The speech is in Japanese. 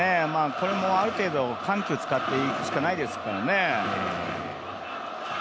これもある程度緩急使っていくしかないですからね。